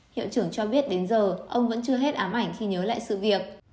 hiệu trưởng cho biết đến giờ ông vẫn chưa hết ám ảnh khi nhớ lại sự việc